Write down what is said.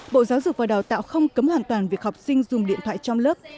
bộ giáo dục và đào tạo không cấm hoàn toàn việc học sinh dùng điện thoại trong lớp